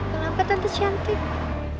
kenapa tante cantik